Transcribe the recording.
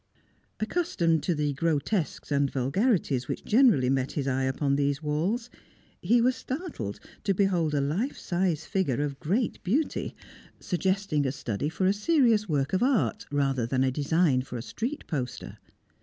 Accustomed to the grotesques and vulgarities which generally met his eye upon these walls, he was startled to behold a life size figure of great beauty, suggesting a study for a serious work of art rather than a design for a street poster.